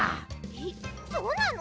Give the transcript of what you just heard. えっそうなの？